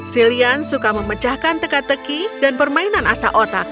silian suka memecahkan teka teki dan permainan asa otak